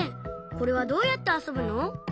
これはどうやってあそぶの？